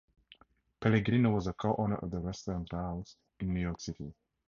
Pellegrino was a co-owner of the restaurant Rao's in New York City.